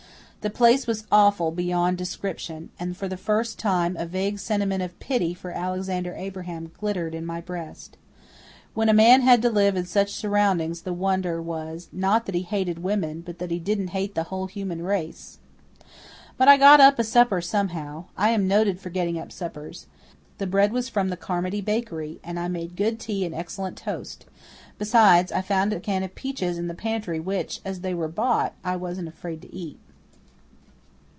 The place was awful beyond description, and for the first time a vague sentiment of pity for Alexander Abraham glimmered in my breast. When a man had to live in such surroundings the wonder was, not that he hated women, but that he didn't hate the whole human race. But I got up a supper somehow. I am noted for getting up suppers. The bread was from the Carmody bakery and I made good tea and excellent toast; besides, I found a can of peaches in the pantry which, as they were bought, I wasn't afraid to eat.